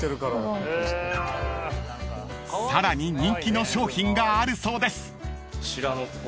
［さらに人気の商品があるそうです］